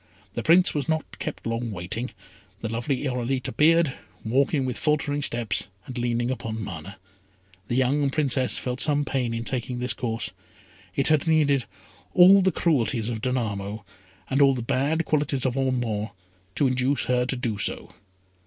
The Prince was not kept long waiting. The lovely Irolite appeared, walking with faltering steps, and leaning upon Mana. The young Princess felt some pain in taking this course. It had needed all the cruelties of Danamo, and all the bad qualities of Ormond, to induce her to do so.